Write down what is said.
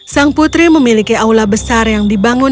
sang putri memiliki aula besar yang dibangun